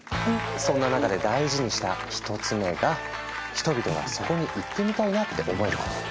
そんな中で大事にした１つ目が「人々がそこに行ってみたいな」って思えること。